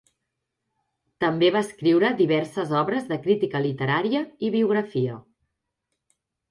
També va escriure diverses obres de crítica literària i biografia.